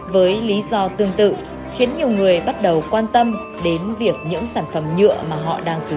với lý do tương tự khiến nhiều người bắt đầu quan tâm đến việc những sản phẩm nhựa mà họ đang sử dụng